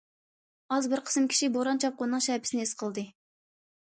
ئاز بىر قىسىم كىشى بوران- چاپقۇننىڭ شەپىسىنى ھېس قىلدى.